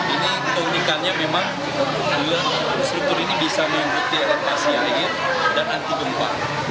ini keunikannya memang bila struktur ini bisa mengikuti adaptasi air dan anti gempa